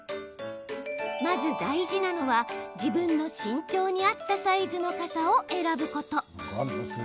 まず大事なのは、自分の身長に合ったサイズの傘を選ぶこと。